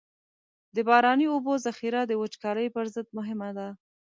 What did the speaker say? د باراني اوبو ذخیره د وچکالۍ پر ضد مهمه ده.